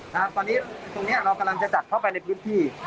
นะฮะตอนนี้ตรงเนี้ยเรากำลังจะจัดเข้าไปในพื้นที่